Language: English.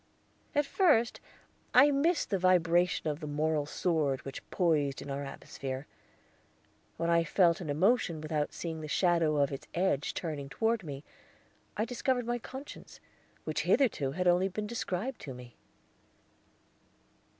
At first I missed the vibration of the moral sword which poised in our atmosphere. When I felt an emotion without seeing the shadow of its edge turning toward me, I discovered my conscience, which hitherto had only been described to me.